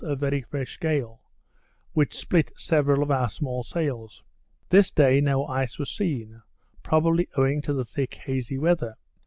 a very fresh gale; which split several of our small sails. This day no ice was seen, probably owing to the thick hazy weather.